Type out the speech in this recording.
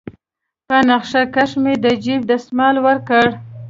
په نخښه كښې مې د جيب دسمال وركړ.